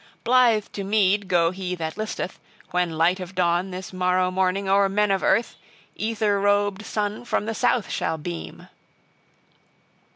Blithe to mead go he that listeth, when light of dawn this morrow morning o'er men of earth, ether robed sun from the south shall beam!"